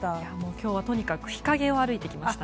今日はとにかく日陰を歩いてきました。